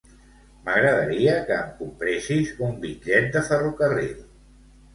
M'agradaria que em compressis un bitllet de ferrocarril.